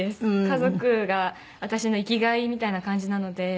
家族が私の生きがいみたいな感じなので。